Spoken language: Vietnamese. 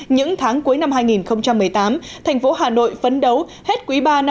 những tháng cuối năm hai nghìn một mươi tám thành phố hà nội phấn đấu hết quý ba năm hai nghìn một mươi chín